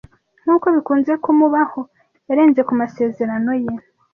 Nkuko bikunze kumubaho, yarenze ku masezerano ye.